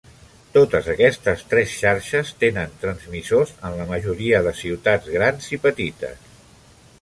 Totes aquestes tres xarxes tenen transmissors en la majoria de ciutats grans i petites.